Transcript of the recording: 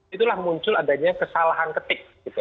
itulah muncul adanya kesalahan ketik